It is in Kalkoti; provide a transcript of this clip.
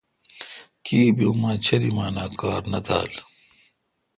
کیبی اما چریم انا کار نہ تال۔